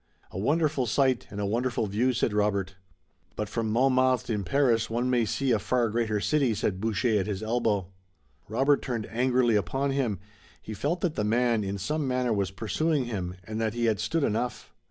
"A wonderful site and a wonderful view," said Robert. "But from Montmartre in Paris one may see a far greater city," said Boucher at his elbow. Robert turned angrily upon him. He felt that the man, in some manner, was pursuing him, and that he had stood enough.